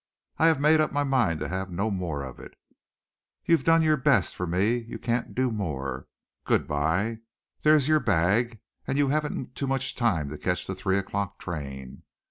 I have made up my mind to have no more of it. You've done your best for me, you can't do more. Good bye! There is your bag, and you haven't too much time to catch the three o'clock train.